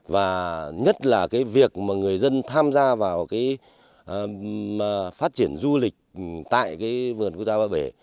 và nhất là việc người dân tham gia vào phát triển du lịch tại vườn quốc gia ba bể